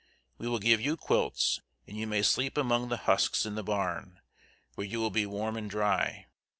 We will give you quilts, and you may sleep among the husks in the barn, where you will be warm and dry.